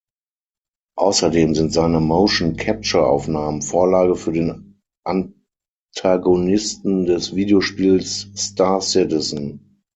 Außerdem sind seine Motion-Capture-Aufnahmen Vorlage für den Antagonisten des Videospiels Star Citizen.